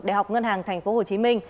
đại học ngân hàng tp hcm